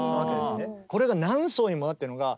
これが何層にもなってるのが一緒になって。